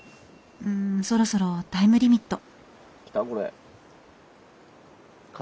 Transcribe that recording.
うんそろそろタイムリミット。